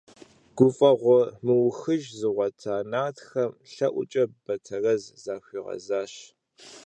Гуфӏэгъуэ мыухыжыр зыгъуэта нартхэм лъэӏукӏэ Батэрэз захуигъэзащ.